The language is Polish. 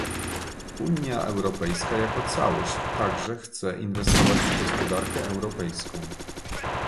Unia Europejska jako całość także chce inwestować w gospodarkę europejską